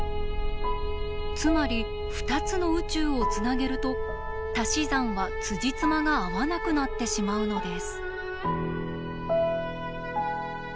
つまり２つの宇宙をつなげるとたし算はつじつまが合わなくなってしまうのです。